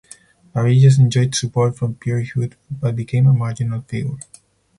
Varillas enjoyed support from Pierre Huet but became a marginal figure.